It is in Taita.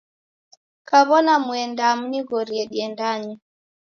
Kaw'ona muendaa munighorie diendanye.